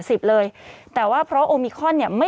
สิบเก้าชั่วโมงไปสิบเก้าชั่วโมงไป